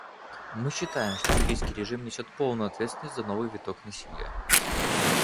Мы считаем, что сирийский режим несет полную ответственность за новый виток насилия.